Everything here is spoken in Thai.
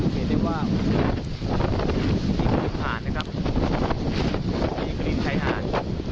เห็นได้ว่ามีกลิ่นหาดนะครับมีกลิ่นไทยหาด